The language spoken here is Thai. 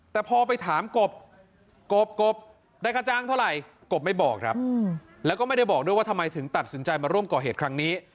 แต่พอไปถามกบกบกบได้ค่าจ้างเท่าไหร่กบไม่บอกครับแล้วก็ไม่ได้บอกด้วยว่าทำไมถึงตัดสินใจมาร่วมก่อเหตุครั้งนี้